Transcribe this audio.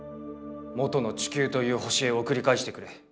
元の地球という星へ送り返してくれ。